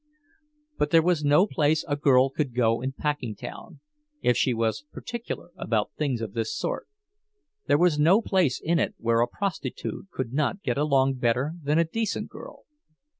But there was no place a girl could go in Packingtown, if she was particular about things of this sort; there was no place in it where a prostitute could not get along better than a decent girl.